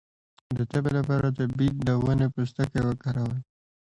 د تبې لپاره د بید د ونې پوستکی وکاروئ